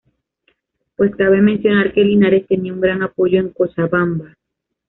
Pues cabe mencionar que Linares tenía un gran apoyo en Cochabamba.